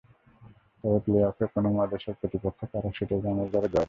তবে প্লে-অফে কোন মহাদেশের প্রতিপক্ষ কারা, সেটা জানা যাবে ড্রয়ের পরেই।